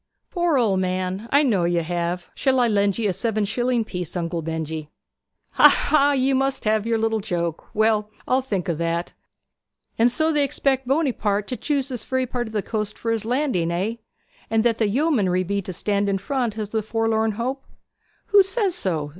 'Poor old man I know you have. Shall I lend you a seven shilling piece, Uncle Benjy?' 'Ha, ha! you must have your joke; well, I'll think o' that. And so they expect Buonaparty to choose this very part of the coast for his landing, hey? And that the yeomanry be to stand in front as the forlorn hope?' 'Who says so?'